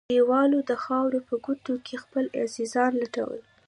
کليوالو د خاورو په کوټو کښې خپل عزيزان لټول.